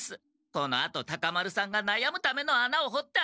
このあとタカ丸さんがなやむための穴をほってあげましょう。